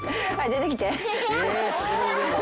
出てきて。